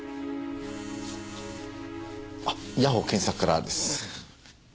あっ谷保健作からです。